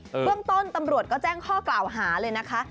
เบื้องต้นตำรวจก็แจ้งข้อกล่าวหาเลยนะคะ